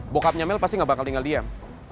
bokapnya mel pasti gak bakal tinggal diam